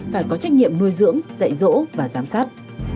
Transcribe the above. phải có trách nhiệm nuôi dưỡng dạy dỗ và giám sát